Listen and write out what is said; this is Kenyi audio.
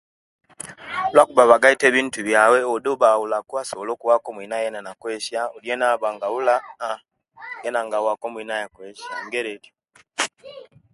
Olwokubba bagaita ebintu byaiwe odi owaba abulaku asobola okuwaku omwinaye nakozesyaku odi yena owaba abula haa yena nga awaaku omwinaye yena nga akozesya ngeri etyo